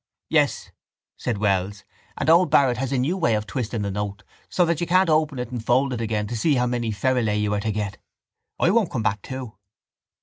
—Yes, said Wells. And old Barrett has a new way of twisting the note so that you can't open it and fold it again to see how many ferulæ you are to get. I won't come back too.